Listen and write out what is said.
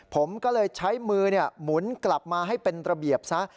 ผมก็เลยใช้มือหมุนกลับมาให้เป็นระเบียบซะ